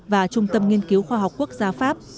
và trung tâm nghiên cứu khoa học quốc gia pháp